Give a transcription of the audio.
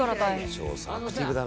「翔さんアクティブだな」